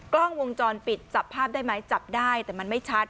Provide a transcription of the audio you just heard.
กล้องวงจรปิดจับภาพได้ไหมจับได้แต่มันไม่ชัด